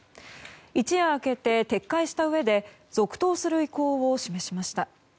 一夜明けて撤回したうえで続投する意向を示しました。